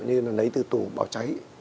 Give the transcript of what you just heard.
như là lấy từ tủ bảo cháy